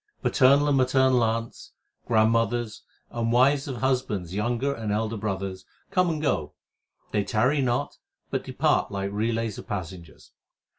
Paternal and maternal aunts, grandmothers, and wives of husbands younger and elder brothers Come and go ; they tarry not but depart like relays of passengers.